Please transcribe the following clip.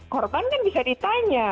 korban kan bisa ditanya